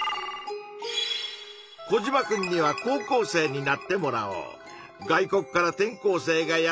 コジマくんには高校生になってもらおう。